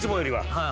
はい。